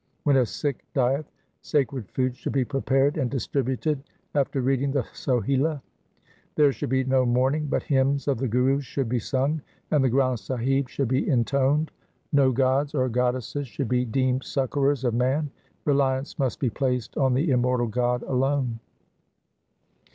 When a Sikh dieth, sacred food should be prepared and distributed after reading the Sohila. There should be no mourning, but hymns of the Gurus should be sung, and the Granth Sahib should be intoned. No gods or 1 Bawan Akhari. 2 Sarang ki War. 284 THE SIKH RELIGION goddesses should be deemed succourers of man. Reliance must be placed on the immortal God alone.'